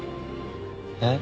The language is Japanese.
えっ？